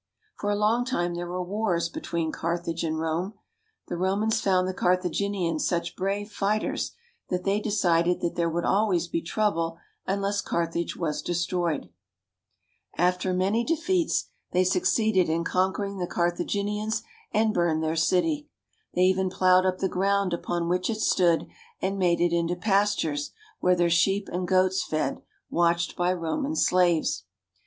For a long time there were wars, between Carthage and Rome. The Romans found the Carthaginians such brave fighters that they decided that there would always be trouble unless Carthage was destroyed. After many de CARP. AFRICA — A, T ^^B feats they succeeded in conquering the Carthaginians and ^^H burned their city. They even plowed up the ground ^^H upon which it stood and made it into pastures, where their ^^H sheep and goats fed, watched by Roman slaves.